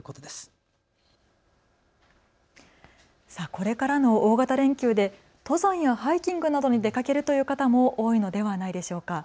これからの大型連休で登山やハイキングなどに出かけるという方も多いのではないでしょうか。